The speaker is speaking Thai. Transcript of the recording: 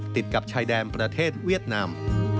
ติดกับชายแดนประเทศเวียดนาม